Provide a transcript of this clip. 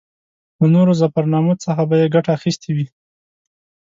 له نورو ظفرنامو څخه به یې ګټه اخیستې وي.